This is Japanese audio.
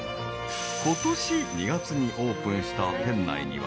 ［ことし２月にオープンした店内には］